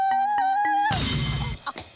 あっ。